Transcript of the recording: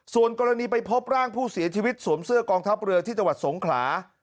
ส่วนกรณีไปพบร่างผู้เสียชีวิตสวมเสื้อกองทัพเรือที่จังหวัดสงขลา